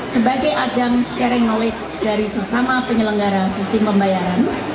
sebagai ajang sharing knowledge dari sesama penyelenggara sistem pembayaran